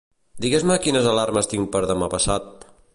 Digues-me quines alarmes tinc per demà passat.